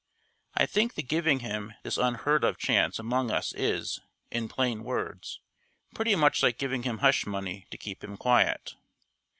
I think the giving him this unheard of chance among us is, in plain words, pretty much like giving him hush money to keep him quiet.